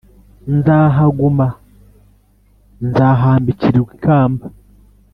Nzahaguma nzahambikirw’ikarnba.